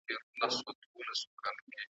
انتقام ته پاڅېدلی بیرغ غواړم .